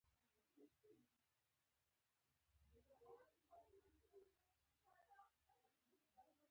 توریانو هوسۍ د هغې له غوښې یا پوستکي لپاره نه ښکار کولې.